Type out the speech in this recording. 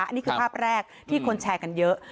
อันนี้คือภาพแรกที่คนแชร์กันเยอะ